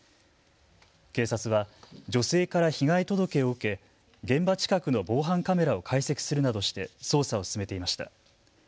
警察は女性から被害届を受け現場近くの防犯カメラを解析するなどして捜査を進めていました。